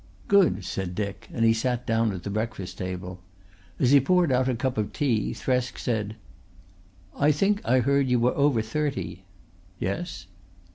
"Good," said Dick, and he sat down at the breakfast table. As he poured out a cup of tea, Thresk said: "I think I heard you were over thirty." "Yes."